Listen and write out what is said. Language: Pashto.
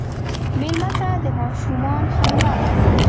مېلمه ته د ماشومان خندا ورکوه.